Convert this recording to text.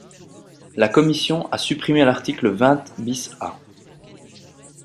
La commission a supprimé l’article vingt bis A.